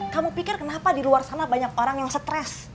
kamu pikir kenapa di luar sana banyak orang yang stres